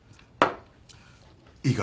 いいか？